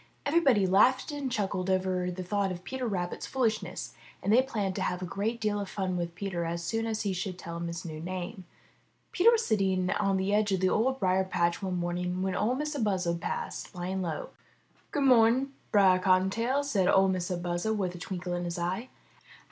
Every body laughed and chuckled over the thought of Peter Rabbit's foolishness, and they planned to have a great deal of fun with Peter as soon as he should tell them his new name. Peter was sitting on the edge of the Old Briar patch one morning when Or Mistah Buzzard passed, flying low. *'Good mo'ning. Brer Cottontail, said or Mistah Buzzard, with a twinkle in his eye.